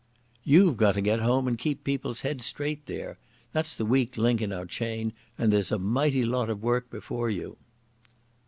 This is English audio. "You've got to get home and keep people's heads straight there. That's the weak link in our chain and there's a mighty lot of work before you."